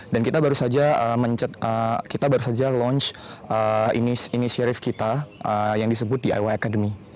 dan kita baru saja launch inisierif kita yang disebut diy academy